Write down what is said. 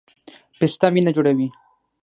پسته وینه جوړوي